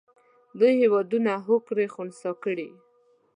لوی هېوادونه هوکړې خنثی کړي.